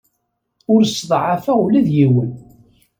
Ur sseḍɛafeɣ ula d yiwen.